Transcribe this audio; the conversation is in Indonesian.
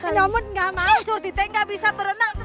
nyomut nggak mau surti tenggak bisa berenang